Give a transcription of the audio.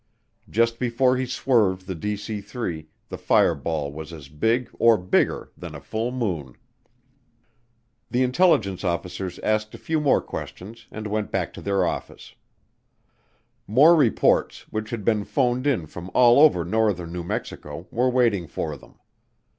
Just before he swerved the DC 3, the fireball was as big, or bigger, than a full moon. The intelligence officers asked a few more questions and went back to their office. More reports, which had been phoned in from all over northern New Mexico, were waiting for them.